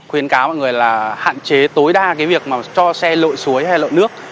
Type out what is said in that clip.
khuyến cáo mọi người là hạn chế tối đa cái việc mà cho xe lội suối hay lội nước